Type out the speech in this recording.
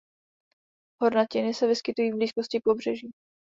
Hornatiny se vyskytují v blízkosti pobřeží.